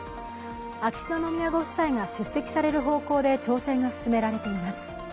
秋篠宮ご夫妻が出席される方向で調整が進められています。